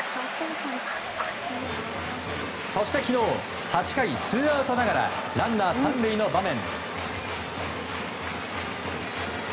そして昨日８回ツーアウトながらランナー３塁の場面。